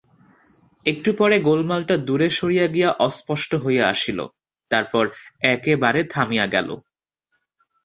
একটু পরে গোলমালটা দূরে সরিয়া গিয়া অস্পষ্ট হইয়া আসিল, তারপর একেবারে থামিয়া গেল।